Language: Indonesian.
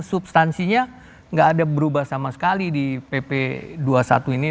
substansinya nggak ada berubah sama sekali di pp dua puluh satu ini